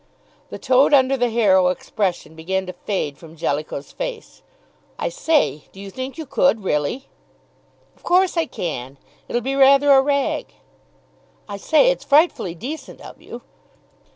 The toad under the harrow expression began to fade from Jellicoe's face. "I say, do you think you could, really?" "Of course I can! It'll be rather a rag." "I say, it's frightfully decent of you."